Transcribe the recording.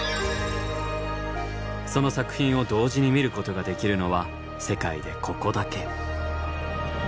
その作品を同時に見ることができるのは世界でここだけ。